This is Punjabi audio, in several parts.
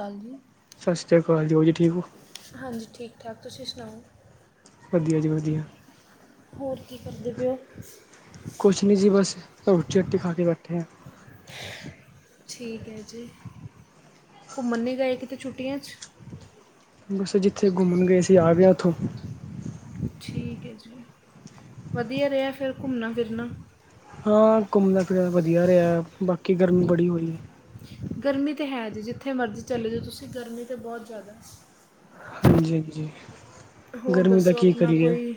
ਹਾਂਜੀ। ਸਤਿ ਸ਼੍ਰੀ ਅਕਾਲ ਜੀ ਹੋਰ ਜੀ ਠੀਕ ਓ? ਹਾਂਜੀ ਠੀਕ ਠਾਕ ਤੁਸੀਂ ਸੁਣਾਓ? ਵਧੀਆ ਜੀ ਵਧੀਆ। ਹੋਰ ਕੀ ਕਰਦੇ ਪਏ ਓ। ਕੁਛ ਨੀ ਜੀ ਬਸ ਰੋਟੀ ਰੋਟੀ ਖਾ ਕੇ ਬੈਠੇ ਐ। [inaudible] ਠੀਕ ਐ ਜੀ ਘੁੰਮਣ ਨੀ ਗਏ ਕਿਤੇ ਛੁੱਟੀਆਂ 'ਚ। ਬਸ ਜਿੱਥੇ ਘੁੰਮਣ ਗਏ ਸੀ ਆ ਗਿਆ ਉੱਥੋਂ। ਠੀਕ ਐ ਜੀ ਵਧੀਆ ਰਿਆ ਫਿਰ ਘੁੰਮਣਾ ਫਿਰਨਾ। ਹਾਂ, ਘੁੰਮਣਾ ਫਿਰਨ ਵਧੀਆ ਰਿਆ ਬਾਕੀ ਗਰਮੀ ਬੜੀ ਹੋਈ। ਗਰਮੀ ਤਾਂ ਹੈ ਜੀ ਜਿੱਥੇ ਮਰਜ਼ੀ ਚਲੇ ਜਾਓ ਤੁਸੀਂ ਗਰਮੀ ਤਾਂ ਬੋਤ ਜ਼ਿਆਦਾ। ਹਾਂਜੀ ਹਾਂਜੀ। ਹੋਰ ਗਰਮੀ ਦਾ ਦੱਸੋ ਕੀ ਆਪਣਾ ਕਰੀਏ ਕੋਈ?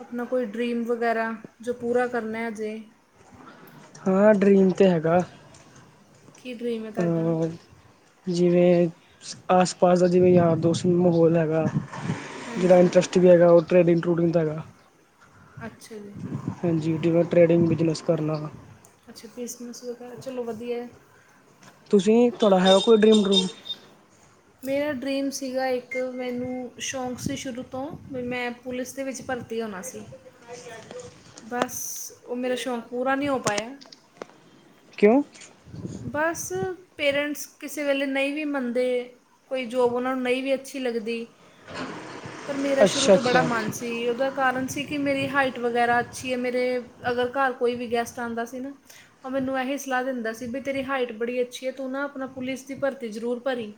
ਆਪਣਾ ਕੋਈ ਡਰੀਮ ਵਗੈਰਾ ਜੋ ਪੂਰਾ ਕਰਨਾ ਅਜੇ? ਹਾਂ ਡਰੀਮ ਤੇ ਹੈਗਾ। ਕੀ ਡਰੀਮ ਐ ਤੁਹਾਡਾ? ਜਿਵੇਂ ਆਸ ਪਾਸ ਦਾ ਜਿਵੇਂ ਯਾਰ ਦੋਸਤ ਮਾਹੌਲ ਹੈਗਾ। ਜਿਹੜਾ ਹਾਂਜੀ ਇੰਟਰਸਟ ਵੀ ਹੈਗਾ ਓ ਟਰੇਡਿੰਗ ਟਰੂਡਿੰਗ ਦਾ ਹੈਗਾ। ਅੱਛਾ ਜੀ। ਹਾਂਜੀ, ਜਿਵੇਂ ਟਰੇਡਿੰਗ ਬਿਜਨਸ ਕਰਨਾ। ਅੱਛਾ, ਕ੍ਰਿਸਮਸ ਵਗੈਰਾ ਚਲੋ ਵਧੀਆ। ਤੁਸੀਂ ਤੁਹਾਡਾ ਹੈ ਕੋਈ ਡਰੀਮ ਡਰੂਮ। ਮੇਰਾ ਡਰੀਮ ਸੀਗਾ ਇੱਕ ਮੈਨੂੰ ਸ਼ੌਂਕ ਸੀ ਸ਼ੁਰੂ ਤੋਂ ਵੀ ਮੈਂ ਪੁਲਿਸ ਦੇ ਵਿੱਚ ਭਰਤੀ ਹੋਣਾ ਸੀ। [inaudible] ਬਸ ਓ ਮੇਰਾ ਸ਼ੌਕ ਪੂਰਾ ਨੀ ਹੋ ਪਾਇਆ। ਕਿਓ? ਬਸ ਪੇਰੈਂਟਸ ਕਿਸੇ ਵੇਲੇ ਨੀ ਵੀ ਮੰਨਦੇ। ਕੋਈ ਜੋਬ ਓਨਾਂ ਨੂੰ ਨੀ ਵੀ ਅੱਛੀ ਲੱਗਦੀ ਪਰ ਮੇਰਾ ਸ਼ੁਰੂ ਅੱਛਾ ਤੋਂ ਬੜਾ ਅੱਛਾ ਮਨ ਸੀ। ਓਦਾਂ ਕਾਰਨ ਸੀ ਕਿ ਮੇਰੀ ਹਾਈਟ ਵਗੈਰਾ ਅੱਛੀ ਐ। ਮੇਰੇ ਅਗਰ ਘਰ ਕੋਈ ਵੀ ਗੈਸਟ ਆਂਦਾ ਸੀ ਨਾ, ਓ ਮੈਨੂੰ ਇਹੀ ਸਲਾਹ ਦਿੰਦਾ ਸੀ ਵੀ ਤੇਰੀ ਹਾਈਟ ਬੜੀ ਅੱਛੀ ਐ ਤੂੰ ਨਾ ਆਪਣਾ ਪੁਲਿਸ ਦੀ ਭਰਤੀ ਜ਼ਰੂਰ ਭਰੀ।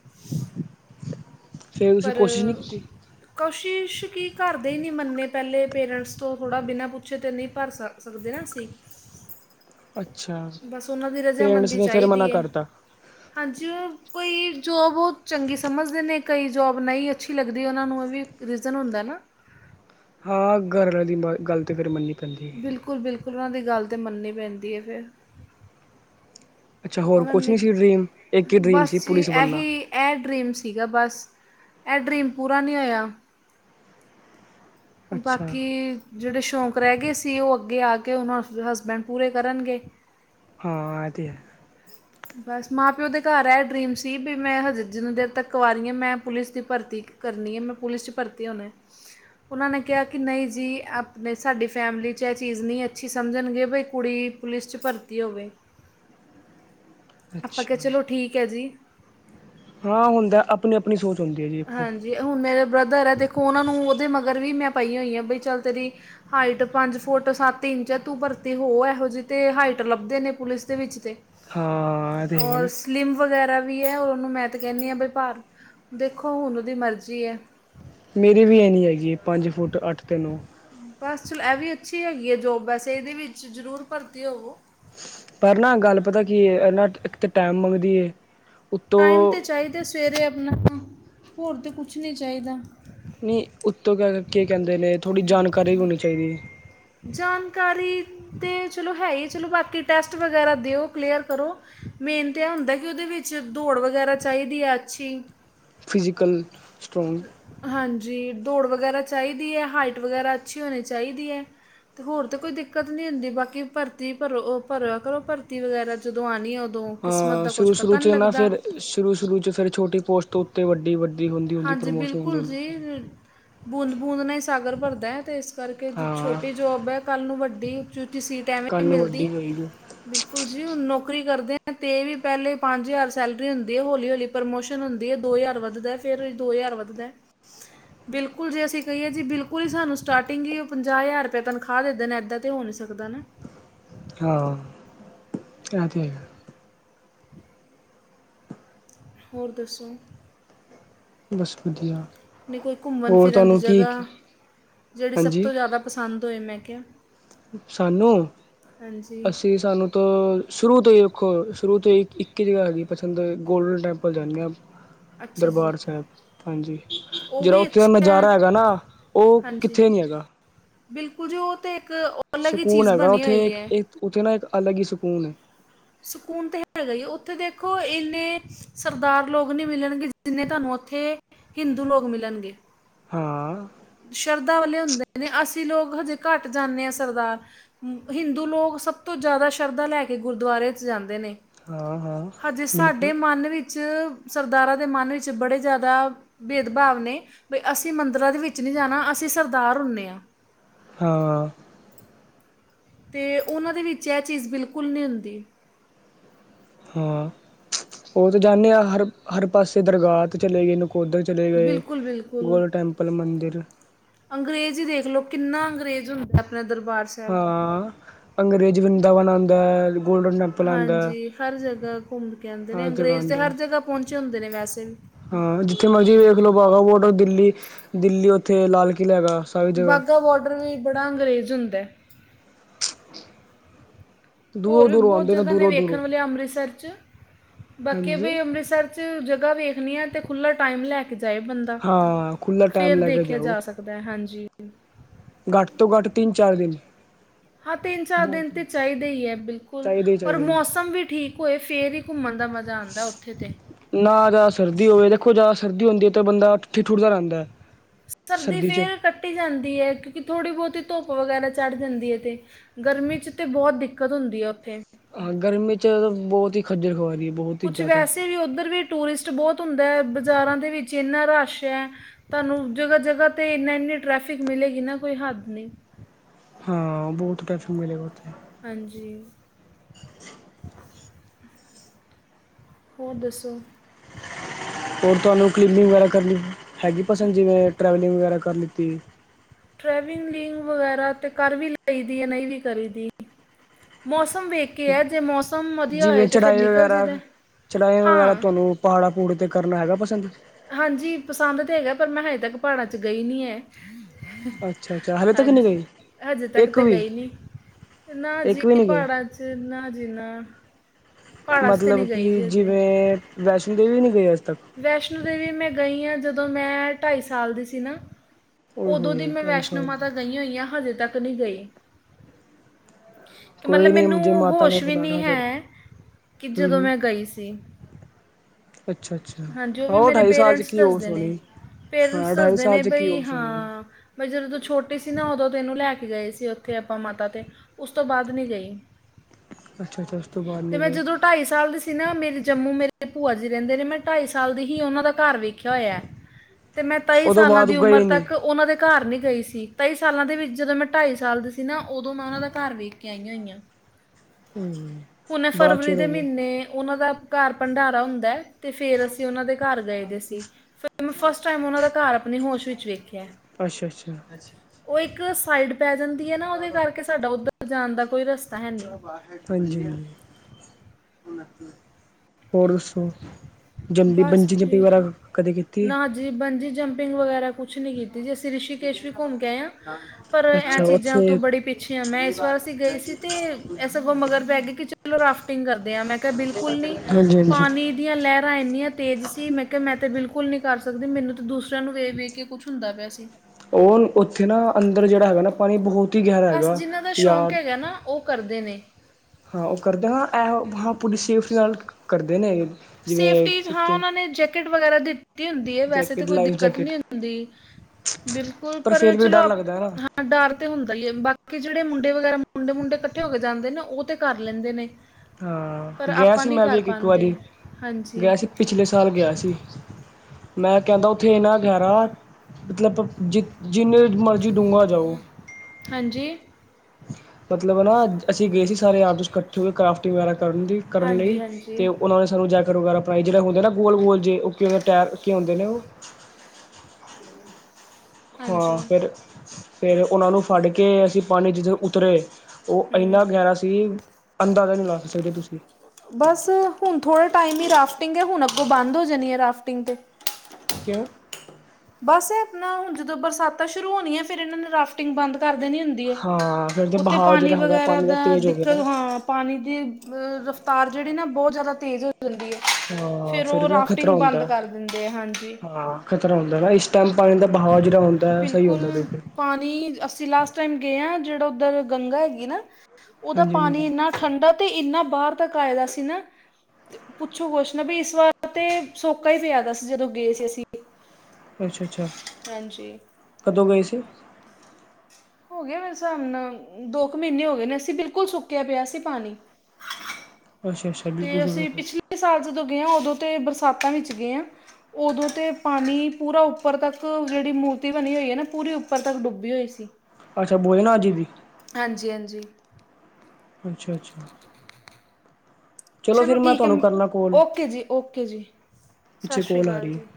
ਫੇਰ ਤੁਸੀਂ ਪਰ। ਕੋਸ਼ਿਸ਼ ਨਹੀਂ ਕੀਤੀ ਕੋਸ਼ਿਸ਼ ਕਿ ਘਰਦੇ ਹੀ ਨਹੀਂ ਮੰਨੇ ਪਹਿਲੇ ਪੇਰੈਂਟਸ ਤੋਂ ਥੋੜ੍ਹਾ ਬਿਨਾਂ ਪੁੱਛੇ ਤੇ ਨੀ ਭਰ ਸਕ ਸਕਦੇ ਨਾ ਅਸੀਂ ਅੱਛਾ, ਬਸ ਉਹਨਾਂ ਦੀ ਪੇਰੈਂਟਸ ਰਜ਼ਾਮੰਦੀ ਨੇ ਫ਼ੇਰ ਮਨਾਂ ਚਾਹੀਦੀ ਹੈ ਕਰਤਾ। ਹਾਂਜੀ ਓ ਕੋਈ ਜੋਬ ਉਹ ਚੰਗੀ ਸਮਝਦੇ ਨੇਂ। ਕਈ ਜੋਬ ਨਹੀਂ ਅੱਛੀ ਲੱਗਦੀ ਉਹਨਾਂ ਨੂੰ ਇਹ ਵੀ ਰੀਜ਼ਨ ਹੁੰਦਾਂ ਨਾ। ਹਾਂ ਗਰ ਵਾਲਿਆਂ ਦੀ ਗੱਲ ਤੇ ਫਿਰ ਮੰਨਨੀ ਪੈਂਦੀ ਏ। ਬਿਲਕੁਲ- ਬਿਲਕੁਲ ਉਹਨਾਂ ਦੀ ਗੱਲ ਤੇ ਮੰਣਨੀ ਪੈਂਦੀ ਏ ਫਿਰ ਅੱਛਾ ਹੋਰ ਉਹਨਾਂ ਕੁਛ ਨੇ, ਨਹੀਂ ਸੀ ਡਰੀਮ ਇੱਕ ਹੀ ਡਰੀਮ ਸੀ ਬਸ ਜੀ ਪੁਲਿਸ ਬਣਨਾ ਐਹੀ। ਐਹ ਡਰੀਮ ਸੀਗਾ ਬਸ, ਐਹ ਡਰੀਮ ਪੂਰਾਂ ਨੀਂ ਹੋਇਆਂ। ਅੱਛਾ ਬਾਕੀ ਜਿਹੜੇ ਸ਼ੌਕ ਰਹਿ ਗਏ ਸੀ ਉਹ ਅੱਗੇ ਆ ਕੇ ਹੁਣ ਹਸਬੈਂਡ ਪੂਰੇ ਕਰਨਗੇ। ਹਾਂ ਐਹ ਤੇ ਹੈ। ਬਸ ਮਾਂ ਪਿਓ ਦੇ ਘਰ ਐਹ ਡਰੀਮ ਸੀ ਵੀ ਮੈਂ ਹਜੇ ਜਿੰਨੀਂ ਦੇਰ ਤੱਕ ਕਵਾਰੀ ਆ, ਮੈਂ ਪੁਲਿਸ ਦੀ ਭਰਤੀ ਕਰਨੀ ਆ, ਮੈਂ ਪੁਲਿਸ ਚ ਭਰਤੀ ਹੋਣਾਂ ਏਂ। ਉਹਨਾਂ ਨੇ ਕਿਹਾ ਕਿ ਨਹੀਂ ਜੀ ਆਪਣੇ ਸਾਡੀ ਫੈਮਲੀ 'ਚ ਐਹ ਚੀਜ਼ ਨੀ ਅੱਛੀ ਸਮਝਣਗੇ ਬਈ ਕੁੜੀ ਪੁਲਿਸ 'ਚ ਭਰਤੀ ਹੋਵੇਂ। ਆਪਾਂ ਕਿਹਾਂ ਅੱਛਾ ਚਲੋ ਠੀਕ ਐ ਜੀ। ਹਾਂ ਹੁੰਦਾ ਐ, ਆਪਣੀਂ -ਆਪਣੀਂ ਸੋਚ ਹੁੰਦੀ ਐ ਜੀ ਵੇਖੋ। ਜੇ ਹੁਣ ਮੇਰੇ ਬ੍ਰਦਰ ਐ ਦੇਖੋਂ ਉਹਨਾਂ ਨੂੰ ਉਹਦੇ ਮਗਰ ਵੀ ਮੈਂ ਪਈ ਹੋਈ ਆਂ, ਬਈ ਚੱਲ ਤੇਰੀ ਹਾਈਟ ਪੰਜ ਫੁੱਟ ਸੱਤ ਇੰਚ ਐ, ਤੂੰ ਭਰਤੀ ਹੋ ਐਹੋ ਜਿਹੀ ਤੇ ਹਾਈਟ ਲੱਭਦੇ ਨੇਂ ਪੁਲਿਸ ਦੇ ਵਿੱਚ ਤੇ ਹਾਂ ਐਹ ਤੇ ਹੈਗੇ ਨੇਂ। ਸਲਿੱਮ ਵਗ਼ੈਰਾ ਵੀ ਐ, ਔਰ ਉਹਨੂੰ ਮੈਂ ਤਾਂ ਕਹਿੰਨੀ ਆ ਬਈ ਭਾਰ ਦੇਖੋਂ ਹੁਣ ਉਹਦੀ ਮਰਜ਼ੀ ਐ।। ਮੇਰੀ ਵੀ ਏਨੀ ਹੈਗੀ ਏ ਪੰਜ ਫੁੱਟ ਅੱਠ ਤੇ ਨੌਂ। ਬਸ ਚਲੋਂ ਐਹ ਵੀ ਅੱਛੀ ਹੈਗੀ ਐ ਜੋਬ ਵੈਸੇ ਇਹਦੇ ਵਿੱਚ ਜ਼ਰੂਰ ਭਰਤੀ ਹੋਵੋਂ। ਪਰ ਨਾ ਗੱਲ ਪਤਾ ਕੀ ਐ, ਇਹ ਨਾ ਇੱਕ ਤਾਂ ਟੈਮ ਮੰਗਦੀ ਏ। ਟਾਇਮ ਤੇ ਚਾਹੀਂਦਾ ਸਵੇਰੇ ਆਪਣਾਂ, ਹੋਰ ਤੇ ਕੁੱਛ ਨੀਂ ਚਾਹੀਂਦਾ। ਨਹੀਂ ਉੱਤੋਂ ਕ ਕੀ ਕਹਿੰਦੇ ਨੇ ਥੋੜ੍ਹੀ ਜਾਣਕਾਰੀ ਹੋਣੀ ਚਾਹੀਦੀ ਏ। ਜਾਣਕਾਰੀ ਤਾਂ ਚਲੋ ਹੈ ਈ, ਚਲੋਂ ਬਾਂਕੀ ਟੈਸਟ ਵਗ਼ੈਰਾ ਦਿਓ ਕਲੀਅਰ ਕਰੋਂ। ਮੇਨ ਤਾਂ ਐਹ ਹੁੰਦਾਂ ਕਿ ਉਹਦੇ ਵਿੱਚ ਦੌੜ ਵਗ਼ੈਰਾ ਚਾਹੀਂਦੀ ਐ ਅੱਛੀ ਫਿਜ਼ੀਕਲ ਸਟਰ੍ਰੋਂਗ। ਹਾਂਜੀ ਦੌੜ ਵਗ਼ੈਰਾ ਚਾਹੀਂਦੀ ਐ, ਹਾਈਟ ਵਗ਼ੈਰਾ ਅੱਛੀ ਹੋਣੀ ਚਾਹੀਂਦੀ ਐ। ਤੇ ਹੋਰ ਤੇ ਕੋਈ ਦਿੱਕਤ ਨੀਂ ਹੁੰਦੀਂ ਬਾਂਕੀ ਭਰਤੀ ਭਰੋ ਉਹ ਭਰਿਆ ਕਰੋ ਭਰਤੀ ਵਗ਼ੈਰਾ। ਜਦੋਂ ਆਣੀ ਆ, ਉਦੋਂ ਕਿਸ਼ਮਤ ਦਾ ਕੁੱਛ ਪਤਾਂ ਨੀ ਲੱਗਦਾ। ਸ਼ੁਰੂ- ਸ਼ੁਰੂ 'ਚ ਫ਼ਿਰ ਛੋਟੀ ਪੋਸਟ ਤੋਂ ਉੱਤੇ ਵੱਡੀ- ਵੱਡੀ ਹੁੰਦੀਂ -ਹੁੰਦੀਂ ਹਾਂਜੀ ਪ੍ਰਮੋਸ਼ਨ ਹੁੰਦੀ ਬਿਲਕੁਲ -ਹੁੰਦੀ ਜੀ ਫਿਰ ਬੂੰਦ -ਬੂੰਦ ਨਾਲ ਹੀ ਸਾਗਰ ਭਰਦਾ ਐ ਤੇ ਇਸ ਕਰਕੇ ਜੋ ਹਾਂ ਛੋਟੀ ਜੋਬ ਐ ਕੱਲ ਨੂੰ ਵੱਡੀ ਉਚੀ- ਉੱਚੀ ਸੀਟ ਤੇ ਕੱਲ ਐਵੇਂ ਨੂੰ ਮਿਲ਼ਦੀ ਵੱਡੀ ਐ। ਹੋਏਗੀ ਬਿਲਕੁਲ ਜੀ ਹੁਣ ਨੌਕਰੀ ਕਰਦੇ ਐ ਤੇ ਵੀ ਪਹਿਲੇ ਪੰਜ ਹਜ਼ਾਰ ਸੈਲਰੀ ਹੁੰਦੀ ਆ‌ ਹੌਲੀ- ਹੌਲੀ ਪ੍ਰਮੋਸ਼ਨ ਹੁੰਦੀ ਆ, ਦੋ ਹਜ਼ਾਰ ਵੱਧਦਾ ਫਿਰ ਦੋ ਹਜ਼ਾਰ ਵੱਧਦਾ। [inaudible] ਬਿਲਕੁਲ ਜੇ ਅਸੀਂ ਕਹੀਏ ਜੀ ਬਿਲਕੁਲ ਹੀ ਸਾਨੂੰ ਸਟਾਰਟਿੰਗ ਹੀ ਉਹ ਪੰਜਾਹ ਹਜ਼ਾਰ ਰੁਪਏ ਤਨਖਾਹ ਦੇਦੇ ਨੇ ਏਦਾਂ ਤਾਂ ਹੋ ਨੀਂ ਸਕਦਾਂ ਨਾ ਹਾਂ, ਐਹ ਤੇ ਹੈਂ ਈ। ਹੋਰ ਦੱਸੋ। ਬਸ ਵਧੀਆ ਨਹੀਂ ਕੋਈ ਘੁੰਮਣ- ਹੋਰ ਫਿਰਨ ਦੀ ਤੁਹਾਨੂੰ ਕੀ ਜਗਾਂ ਜਿਹੜੀ ਸਭ ਹਾਂਜੀ ਤੋਂ ਜ਼ਿਆਦਾ ਪਸੰਦ ਹੋਏ, ਮੈਂ ਕਿਆ ਸਾਨੂੰ, ਅਸੀਂ ਸਾਨੂੰ ਤਾਂ ਸ਼ੁਰੂ ਤੋਂ ਹੀ ਦੇਖੋ ਸ਼ੁਰੂ ਤੋਂ ਹੀ ਇੱਕ ਹੀ ਜਗ੍ਹਾ ਹੈਗੀ ਪਸੰਦ ਗੋਲਡਨ ਟੈਂਪਲ ਜਾਂਦੇ ਆ। ਅੱਛਾ ਜੀ ਦਰਬਾਰ ਸੈਬ। ਹਾਂਜੀ ਉਹ ਜੇੜਾ ਵੀ ਉੱਥੇ ਦਾ ਅੱਛਾ ਹੈ ਨਜ਼ਾਰਾ ਹੈਗਾ ਨਾ ਉਹ ਹਾਂਜੀ ਕਿੱਥੇ ਨੀ ਹੈਗਾ। ਬਿਲਕੁਲ ਜੀ ਓ ਤੇ ਇੱਕ ਅਲੱਗ ਹੀ ਸਕੂਨ ਚੀਜ਼ ਹੈਗਾ ਬਣੀ ਉੱਥੇ ਹੋਈ ਹੈ ਏਕ-ਏਕ ਉੱਥੇ ਨਾ ਏਕ ਅਲੱਗ ਈ ਸੁਕੂਨ ਏ। ਸੁਕੂਨ ਤੇ ਹੈਗਾ ਈ ਏ ਉੱਥੇ ਦੇਖੋ ਇੰਨੇ ਸਰਦਾਰ ਲੋਗ ਨੀ ਮਿਲਣਗੇ ਜਿੰਨੇ ਤਾਨੂੰ ਉੱਥੇ ਹਿੰਦੂ ਲੋਗ ਮਿਲਨਗੇ। ਹਾਂ ਸ਼ਰਧਾ ਵਾਲੇ ਹੁੰਦੇ ਨੇ ਅਸੀਂ ਲੋਗ ਹਜੇ ਕਾਟ ਜਾਂਨੇ ਆ ਸਰਦਾਰ। ਹੁ ਹਿੰਦੂ ਲੋਗ ਸਭ ਤੋਂ ਜ਼ਾਦਾ ਸ਼ਰਧਾ ਲੈ ਕੇ ਗੁਰਦੁਆਰੇ ਚ ਜਾਂਦੇ ਨੇ। ਹਾਂ-ਹਾਂ ਹਜੇ ਬਿਲਕੁਲ ਸਾਡੇ ਮਨ ਵਿੱ ਚ ਸਰਦਾਰਾਂ ਦੇ ਮਨ ਵਿੱਚ ਬੜੇ ਜ਼ਾਦਾ ਭੇਦਭਾਵ ਨੇ ਬਈ ਅਸੀਂ ਮੰਦਰਾਂ ਦੇ ਵਿੱ ਚ ਨੀ ਜਾਨਾ ਅਸੀਂ ਸਰਦਾਰ ਹੁੰਨੇ ਆ। ਹਾਂ ਅਤੇ ਉਨਾਂ ਦੇ ਵਿੱਚ ਏ ਚੀਜ਼ ਬਿਲਕੁਲ ਨੀ ਹੁੰਦੀ। ਹਾਂ ਉ ਤੇ ਜਾਂਨੇ ਆ ਹਰ-ਹਰ ਪਾਸੇ ਦਰਗਾਹ ਤੇ ਚਲੇ ਗਏ ਨਕੋਦਰ ਚਲੇ ਗਏ ਬਿਲਕੁਲ ਬਿਲਕੁਲ ਗੋਲਡ ਟੈਂਪਲ ਮੰਦਿਰ। ਅੰਗਰੇਜ਼ ਈ ਦੇਖ ਲੋ ਕਿੰਨਾ ਅੰਗਰੇਜ਼ ਹੁੰਦਾ ਆਪਨੇ ਦਰਬਾਰ ਸਾ ਹਾਂ ਅੰਗਰੇਜ਼ ਵਿੰਦਾਵਨ ਆਂਦਾ। ਗੋਲਡਨ ਟੈਂਪਲ ਆਂਦਾ ਹਾਂਜੀ ਹਰ ਜਗਾ ਘੁੰਮ ਕੇ ਆਂਦੇ ਨੇ ਹਰ ਜਗ੍ਹਾ ਅੰਗਰੇਜ਼ ਤੇ ਆਂਦਾ। ਹਰ ਜਗਾ ਪੌਂਚੇ ਹੁੰਦੇ ਨੇ ਵੈਸੇ ਵੀ। ਹਾਂ ਜਿੱਥੇ ਮਰਜੀ ਵੇਖ ਲੋ ਬਾਗਾ ਬੋਡਰ ਦਿੱਲੀ-ਦਿੱਲੀ ਉੱਥੇ ਲਾਲ ਕਿਲ੍ਹਾ ਹੈਗਾ। ਸਾਰੀ ਜਗ੍ਹਾ ਬਾਗਾ ਬਾਰਡਰ ਵੀ ਬੜਾ ਅੰਗਰੇਜ਼ ਹੁੰਦਾ। ਹੋਰ ਵੀ ਦੂਰੋਂ-ਦੂਰੋਂ ਬੋਤ ਆਂਦੇ ਜਗਾ ਨੇ ਦੂਰੋਂ-ਦੂਰੋਂ ਵੇਖਣ ਵਾਲਿਆ ਅੰਮ੍ਰਿਤਸਰ ਚ ਬਾਕੀ ਹਾਂਜੀ ਵਈ ਅੰਮ੍ਰਿਤਸਰ ਚ ਜਗਾ ਵੇਖਨਿਆ ਤੇ ਖੁੱਲ੍ਹਾ ਟਾਈਮ ਲੈ ਕੇ ਜਾਏ ਬੰਦਾ ਹਾਂ ਖੁੱਲਾ ਟਾਈਮ ਫੇਰ ਲੈ ਕੇ ਦੇਖਿਆ ਜਾਓ। ਜਾ ਸਕ ਦਾ ਹਾਂਜੀ। ਘੱਟ ਤੋਂ ਘੱਟ ਤਿੰਨ-ਚਾਰ ਦਿਨ। ਹਾਂ ਤਿੰਨ-ਚਾਰ ਦਿਨ ਬਹੁਤ ਤੇ ਚਾਈਦੇ ਈ ਏ ਬਿਲਕੁਲ ਚਾਹੀਦੇ ਹੀ ਔਰ ਚਾਹੀਦੇ ਨੇ। ਮੌਸਮ ਵੀ ਠੀਕ ਹੋਏ ਫੇਰ ਈ ਘੁੰਮਨ ਦਾ ਮਜ਼ਾ ਆਂਦਾ ਉੱਥੇ ਤੇ। ਨਾ ਜਾ ਸਰਦੀ ਹੋਵੇ ਦੇਖੋ ਜਾਂ ਸਰਦੀ ਹੁੰਦੀ ਏ ਤੇ ਬੰਦਾ ਠੀਠੁਠਦਾ ਰੇਂਦਾ। ਸਰਦੀ ਫੇਰ ਕੱਟੀ ਜਾਂਦੀ ਏ ਕਿਉਂਕਿ ਥੋੜ੍ਹੀ ਬੋਤੀ ਧੁੱਪ ਵਗੈਰਾ ਚੜ ਜਾਂਦੀ ਏ ਤੇ। ਗਰਮੀ ਇਚ ਤੇ ਬੋਤ ਦਿੱਕਤ ਹੁੰਦੀ ਏ ਉਥੇ। ਹਾਂ ਗਰਮੀ ਚ ਬੋਤ ਹੀ ਖੱਜਲ ਖੂਆਰੀ ਏ ਬੋਤ ਹੀ ਜ਼ਾਦਾ। ਤੇਵੀ ਉੱਧਰ ਵੀ ਟੂਰਿਸਟ ਬੋਤ ਹੁੰਦਾ ਏ ਬਜ਼ਾਰਾਂ ਦੇ ਵਿੱਚ ਇੰਨਾ ਰਸ਼ ਐ। ਤਾਨੂੰ ਜਗ੍ਹਾ-ਜਗ੍ਹਾ ਤੇ ਇੰਨਾ-ਇੰਨੀ ਟਰੈਫਿਕ ਮਿਲੇਗੀ ਨਾ ਕੋਈ ਹੱਦ ਨੀ। ਹਾਂ, ਬੋਤ ਟੈਫਿਕ ਮਿਲੇਗਾ ਓਥੇ। ਹਾਂਜੀ ਹੋਰ ਦੱਸੋ? ਹੋਰ ਤੁਆਨੂੰ ਕਲੀਬਿੰਗ ਵਗੈਰਾ ਕਰਨੀ ਹੈਗੀ ਪਸੰਦ ਜਿਵੇਂ ਟ੍ਰੈਵਲਿੰਗ ਵਗੈਰਾ ਕਰ ਲਿੱਤੀ। ਟ੍ਰੈਵਿੰਗ ਲਿੰਗ ਵਗੈਰਾ ਤੇ ਕਰ ਵੀ ਲਈ ਦੀ ਏ ਨਈ ਵੀ ਕਰੀ ਦੀ। ਮੌਸਮ ਵੇਖ ਕੇ ਏ ਜੇ ਮੌਸਮ ਵਧੀਆ ਹੋਏ ਜਿਵੇਂ ਤੇ ਫੇਰ ਚੜਾਈ ਨਿਕਲ ਜਾਈ ਦਾ ਹਾਂ। ਪਾੜਾ ਪੂੜ ਤੇ ਕਰਨਾ ਹੈਗਾ ਪਸੰਦ? ਹਾਂਜੀ ਪਸੰਦ ਤੇ ਹੈਗਾ ਪਰ ਮੈਂ ਹਜੇ ਤੱਕ ਪਾੜਾਂ ਚ ਗਈ ਨੀ ਐ। ਅੱਛਾ ਅੱਛਾ ਹਾਲੇ ਤੱਕ ਨਹੀਂ ਹਾਂਜੀ, ਗਏ ਹਜੇ ਤੱਕ ਇੱਕ ਤੇ ਵੀ ਗਈ ਨੀ। ਨਾ ਜੀ ਇੱਕ ਵੀ ਨਹੀਂ ਗਏ ਪਾੜਾਂ ਚ ਨਾ ਜੀ ਨਾ। ਪਹਾੜਾਂ 'ਚ ਤੇ ਮਤਲਬ ਨਹੀਂ ਕਿ ਗਈ ਜੀ ਅਜੇ ਜਿਵੇਂ ਵੈਸ਼ਨੋ ਦੇਵੀ ਵੀ ਨੀ ਗੇ ਅੱਜ ਤੱਕ? ਵੈਸ਼ਨੋ ਦੇਵੀ ਮੈਂ ਗਈ ਆ ਜਦੋਂ ਮੈਂ ਢਾਈ ਸਾਲ ਦੀ ਸੀ ਨਾ ਓਏ ਉਦੋ ਦੀ ਹੋਏ ਮੈਂ ਢਾਈ ਵੈਸ਼ਨੋ ਸਾਲ ਮਾਤਾ ਗਈ ਹੋਈਆਂ, ਹਜੇ ਤੱਕ ਨੀ ਗਈ। ਕੇ ਕੋਈ ਮਤਲਬ ਨੀ ਜੇ ਮੈਨੂੰ ਮਾਤਾ ਨੇ ਹੋਸ਼ ਵੀ ਬੁਲਾਣਾ ਨੀ ਫਿਰ ਹੈ ਕਿ ਹੂੰ ਜਦੋਂ ਹੂੰ ਮੈਂ ਗਈ ਸੀ। ਅੱਛਾ ਅੱਛਾ ਹਾਂਜੀ ਉ ਵੀ ਆਹੋ ਮੇਰੇ ਢਾਈ ਸਾਲ ਚ ਪੇਰੈਂਟਸ ਕੀ ਹੋਸ ਦੱਸਦੇ ਨੇ ਹੋਣੀ ਪੇਰੈਂਟਸ ਹਾਂ ਢਾਈ ਦੱਸਦੇ ਸਾਲ ਨੇ ਚ ਕੀ ਬਈ ਹੋਸ ਹੋਣੀ ਹਾਂ ਬਈ ਜਦੋਂ ਤੂੰ ਛੋਟੀ ਸੀ ਨਾ ਉਦੋਂ ਤੈਨੂੰ ਲੈ ਕੇ ਗਏ ਸੀ ਉੱਥੇ ਆਪਾਂ ਮਾਤਾ 'ਤੇ ਉਸ ਤੋਂ ਬਾਦ ਨੀ ਗਈ। ਅੱਛਾ-ਅੱਛਾ। ਉਸ ਤੋਂ ਬਾਦ ਨੀ ਗਏ। ਢਾਈ ਸਾਲ ਦੀ ਸੀ ਨਾ ਮੇਰੇ ਜੰਮੂ ਮੇਰੇ ਭੂਆ ਜੀ ਰੇਂਦੇ ਨੇ‌। ਮੈਂ ਢਾਈ ਸਾਲ ਦੀ ਹੀ ਉਹਨਾਂ ਦਾ ਘਰ ਵੇਖਿਆ ਹੋਇਐ ਤੇ ਮੈਂ ਤੇਈ ਉਹਦੋਂ ਸਾਲਾਂ ਬਾਅਦ ਦੀ ਉਮਰ ਗਏ ਨੀ ਤੱਕ ਉਹਨਾਂ ਦੇ ਘਰ ਨੀ ਗਈ ਸੀ ਕਈ ਸਾਲਾਂ ਦੇ ਵਿੱਚ ਜਦੋਂ ਮੈਂ ਢਾਈ ਸਾਲ ਦੀ ਸੀ ਨਾ ਉਦੋਂ ਮੈਂ ਉਹਨਾਂ ਦਾ ਘਰ ਵੇਖ ਕੇ ਆਈਆਂ ਹੋਈਆਂ। [inaudible] ਹੂੰ ਹੁਣ ਬੜਾ ਫਰਵਰੀ ਚਿਰ ਦੇ ਹੋ ਗਿਆ ਮਹੀਨੇ ਉਹਨਾਂ ਦਾ ਘਰ ਭੰਡਾਰਾ ਹੁੰਦਾ ਤੇ ਫੇਰ ਅਸੀਂ ਉਹਨਾਂ ਦੇ ਘਰ ਗਏ ਦੇ ਸੀ। ਮੈਂ ਫਸਟ ਟਾਈਮ ਉਹਨਾਂ ਦਾ ਘਰ ਆਪਣੀ ਹੋਸ਼ ਵਿੱਚ ਵੇਖਿਐ। ਅੱਛਾ-ਅੱਛਾ। ਉਹ ਇੱਕ ਸਾਈਡ ਪੈ ਜਾਂਦੀ ਐ ਨਾ ਉਹਦੇ ਕਰਕੇ ਸਾਡਾ ਉੱਧਰ ਜਾਣ ਦਾ ਕੋਈ ਰਸਤਾ ਹੈ ਨਹੀਂ ਹਾਂਜੀ‌। ਹਾਂ, ਹੋਰ ਦੱਸੋ ਜੰਬੀ ਬਸ ਬੰਜੀ ਜੰਪੀ ਜੀ ਵਾਰਾ ਕਦੀ ਕੀਤੀ ਏ। ਨਾ ਜੀ ਬੰਜੀ ਜੰਪਿੰਗ ਵਗੈਰਾ ਕੁਛ ਨੀ ਕੀਤੀ। ਜੀ ਅਸੀਂ ਰਿਸ਼ੀਕੇਸ਼ ਵੀ ਘੁੰਮ ਕੇ ਆਏ ਆ ਪਰ ਇਹ ਅੱਛਾ ਚੀਜ਼ਾਂ ਉਤੋਂ ਉੱਥੇ ਬੜੀ ਪਿੱਛੇ ਆਂ ਮੈਂ। ਇਸ ਵਾਰ ਅਸੀਂ ਗਏ ਸੀ ਤੇ ਐ ਸਗੋਂ ਮਗਰ ਪੈ ਗਏ ਕਿ ਚਲੋ ਰਾਫਟਿੰਗ ਕਰਦੇ ਆ। ਮੈਂ ਕਿਹਾ ਬਿਲਕੁਲ ਨਹੀਂ। ਹਾਂਜੀ ਹਾਂਜੀ ਪਾਣੀ [unintelligible] ਇੰਨੀਆਂ ਤੇਜ਼ ਸੀ ਮੈਂ ਕੇਆ ਮੈਂ ਤੇ ਬਿਲਕੁਲ ਨਈ ਕਰ ਸਕਦੀ। ਮੈਨੂੰ ਤਾਂ ਦੂਸਰਿਆਂ ਨੂੰ ਵੇ ਵੇਖ ਕੇ ਕੁਛ ਹੁੰਦਾ ਪਿਆ ਸੀ। ਓ ਉੱਥੇ ਨਾ ਅੰਦਰ ਜੇਹੜਾ ਹੈਗਾ ਨਾ ਪਾਣੀ ਬਹੁਤ ਹੀ ਗਹਿਰਾ ਬਸ ਹੈਗਾ ਜਿਨ੍ਹਾਂ ਦਾ ਸ਼ੌਕ ਯਾਰ ਹੈਗਾ ਨਾ ਉਹ ਕਰਦੇ ਨੇ। ਹਾਂ ਉਹ ਕਰਦੇ ਹਾਂ, ਇਹ ਹਾਂ ਪੁਲਿ ਸੇਫ ਨਾਲ ਕਰਦੇ ਨੇ। ਜਿਵੇਂ ਸੇਫਟੀ ਹਾਂ ਉੱਤੇ ਉਹਨਾਂ ਨੇ ਜੈਕਟ ਵਗੈਰਾ ਦਿੱਤੀ ਹੁੰਦੀ ਐ ਵੈਸੇ ਤਾਂ ਜੈਕਟ ਕੋਈ ਲਾਈਫ ਦਿੱਕਤ ਜੈਕਟ ਨਹੀਂ ਹੁੰਦੀ ਬਿਲਕੁਲ ਪਰ ਫਿਰ ਵੀ ਡਰ ਚਲੋ। ਲੱਗਦਾ ਨਾ ਅਅ ਪ ਡਰ ਤੇ ਹੁੰਦਾ ਈ ਐ ਬਾਕੀ ਜਿਹੜੇ ਮੁੰਡੇ ਵਗੈਰਾ ਮੁੰਡੇ-ਮੁੰਡੇ ਇਕੱਠੇ ਹੋ ਕੇ ਜਾਂਦੇ ਨੇ ਓ ਤੇ ਕਰ ਲੈਂਦੇ ਨੇ। ਪਰ ਹਾਂ। ਗਿਆ ਆਪਾਂ ਸੀ ਨਹੀਂ ਮੈਂ ਵੀ ਕਰ ਇੱਕ ਪਾਉਂਦੇ ਵਾਰੀ। ਗਿਆ ਹਾਂਜੀ ਸੀ ਪਿਛਲੇ ਸਾਲ ਗਿਆ ਸੀ। ਮੈਂ ਕਹਿੰਨਾ ਉੱਥੇ ਇਨਾ ਗਹਿਰਾ ਮਤਲਬ ਜਿ-ਜਿੰਨੇ ਮਰਜ਼ੀ ਡੂੰਘਾ ਜਾਓ। ਹਾਂਜੀ। ਮਤਲਬ ਨਾ ਅਸੀਂ ਗਏ ਸੀ ਸਾਰੇ ਯਾਰ-ਦੋਸਤ ਇਕੱਠੇ ਹੋ ਕੇ ਕਰਾਫਟਿੰਗ ਵਗੈਰਾ ਕਰਨ ਲਈ ਕਰਨ ਹਾਂਜੀ ਲਈ ਹਾਂਜੀ ਤੇ ਉਹਨਾਂ ਨੇ ਸਾਨੂੰ ਜਾਕੇ ਚੱਕੜ ਵਗੈਰਾ ਪਾਏ ਜਿਹੜੇ ਹੁੰਦੇ ਨਾ ਗੋਲ-ਗੋਲੇ ਜੇ। ਉਹ ਟਾਇਰ ਰੱਖੇ ਹੁੰਦੇ ਨੇ ਓ ਹਾਂ ਹਾਂਜੀ ਫਿਰ-ਫਿਰ ਉਹਨਾਂ ਨੂੰ ਫੜ ਕੇ ਅਸੀਂ ਪਾਣੀ ਚ ਜਦੋਂ ਉਤਰੇ ਉਹ ਹੂੰ ਇੰਨਾ ਗਹਿਰਾ ਸੀ ਅੰਦਾਜ਼ਾ ਨਈ ਲਾ ਸਕਦੇ ਤੁਸੀਂ। ਬਸ ਹੁਣ ਥੋੜ੍ਹਾ ਟਾਈਮ ਈ ਰਾਫਟਿੰਗ ਐ। ਹੁਣ ਅੱਗੋਂ ਬੰਦ ਹੋ ਜਾਣੀ ਐ ਰਾਫਟਿੰਗ ਤੇ। ਕਿਉਂ? ਬਸ ਇਹ ਆਪਣਾ ਹੁਣ ਜਦੋਂ ਬਰਸਾਤਾਂ ਸ਼ੁਰੂ ਹੋਣੀਆਂ ਫਿਰ ਇਹਨਾਂ ਨੇ ਰਾਫਟਿੰਗ ਬੰਦ ਕਰ ਦੇਨੀ ਹੁੰਦੀ ਐ। ਹਾਂ ਫਿਰ ਤੇ ਉੱਥੇ ਬਹਾਵ ਪਾਣੀ ਜਿਹੜਾ ਹੈਗਾ ਵਗੈਰਾ ਪਾਣੀ ਦਾ ਤੇਜ਼ ਹੋ ਗਿਆ ਦਿੱਕਤ ਨਾ ਹਾਂ ਪਾਣੀ ਦੀ ਰਫਤਾਰ ਜਿਹੜੀ ਨਾ ਬਹੁਤ ਜ਼ਿਆਦਾ ਤੇਜ਼ ਹੋ ਦੀ ਹੈ ਹਾਂ ਫਿਰ ਉਹ ਨਾ ਖ਼ਤਰਾ ਰਾਫਟਿੰਗ ਬੰਦ ਕਰ ਦਿੰਦੇ ਆ ਹਾਂਜੀ ਖਤਰਾ ਹੁੰ ਦਾ ਨਾ ਇਸ ਟਾਈਮ ਪਾਣੀ ਦਾ ਬਹਾਵ ਜੇੜਾ ਹੁੰਦਾ ਸਹੀ ਹੁੰਦਾ ਬਿਲਕੁਲ ਪਾਣੀ ਅਸੀਂ ਲਾਸਟ ਟਾਈਮ ਗਏ ਹਾਂ ਜਿਹੜਾ ਉੱਧਰ ਗੰਗਾ ਹੈਗੀ ਨਾ ਉਹਦਾ ਹਾਂਜੀ ਪਾਣੀ ਹਾਂਜੀ ਇੰਨਾ ਠੰਡਾ ਤੇ ਇੰਨਾ ਬਾਹਰ ਤੱਕ ਆਏ ਦਾ ਸੀ ਨਾ ਤੇ ਪੁੱਛੋ ਕੁਛ ਨਾ ਇਸ ਵਾਰ ਤੇ ਸੋਕਾ ਹੀ ਪਿਆ ਸੀ ਜਦੋਂ ਗਏ ਸੀ ਅਸੀਂ ਅੱਛਾ, ਅੱਛਾ ਹਾਂਜੀ ਕਦੋਂ ਗਏ ਸੀ ਹੋ ਗਿਆ ਮੇਰੇ ਹਿਸਾਬ ਨਾਲ ਦੋ ਕੇ ਮਹੀਨੇ ਹੋ ਗਏ ਨੇ ਅਸੀਂ ਬਿਲਕੁਲ ਸੁੱਕਿਆ ਪਿਆ ਸੀ ਪਾਣੀ ਅੱਛਾ ਅੱਛਾ ਤੇ ਬਿਲਕੁਲ ਅਸੀਂ ਪਿਛਲੇ ਸਾਲ ਜਦੋਂ ਗਏ ਹਾਂ ਉਦੋਂ ਤੇ ਬਰਸਾਤਾਂ ਵਿੱਚ ਗਏ ਹਾਂ ਉਦੋਂ ਤੇ ਪਾਣੀ ਪੂਰਾ ਉੱਪਰ ਤੱਕ ਜਿਹੜੀ ਮੂਰਤੀ ਬਣੀ ਹੋਈ ਹੈ ਨਾ ਪੂਰੀ ਉੱਪਰ ਤੱਕ ਡੁੱਬੀ ਹੋਈ ਸੀ ਅੱਛਾ ਬੋਏ ਨਾ ਅਜੇ ਦੀ ਹਾਂਜੀ, ਹਾਂਜੀ ਅੱਛਾ, ਅੱਛਾ ਚਲੋ ਫਿਰ ਮੈਂ ਠੀਕ ਹੈ ਤੁਹਾਨੂੰ ਕਰਨਾ ਕੋਲ ਓਕੇ ਜੀ ਓਕੇ ਜੀ ਸਤਿ ਪਿੱਛੇ ਸ਼੍ਰੀ ਕੋਲ ਆ ਅਕਾਲ ਰਹੀ ਹੈ ਜੀ